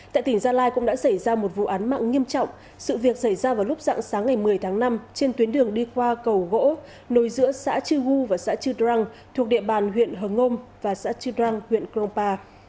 tại tỉnh gia lai cũng đã xảy ra một vụ án mạng nghiêm trọng sự việc xảy ra vào lúc dặn sáng ngày một mươi tháng năm trên tuyến đường đi qua cầu gỗ nối giữa xã chư gu và xã chư trăng thuộc địa bàn huyện hờ ngôm và xã chư trăng huyện cronpa